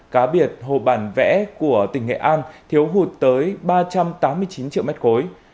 cá biệt hồ bản vẽ của tỉnh nghệ an thiếu hụt tới ba trăm tám mươi chín triệu mét khối